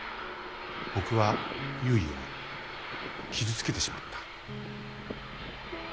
僕はゆいを傷つけてしまった。